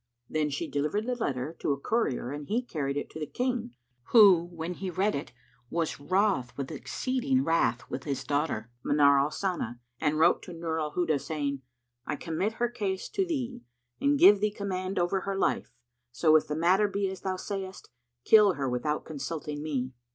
Then she delivered the letter to a courier and he carried it to the King, who, when he read it, was wroth with exceeding wrath with his daughter Manar al Sana and wrote to Nur al Huda, saying, "I commit her case to thee and give thee command over her life; so, if the matter be as thou sayest, kill her without consulting me."